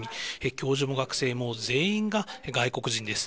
教授も学生も、全員が外国人です。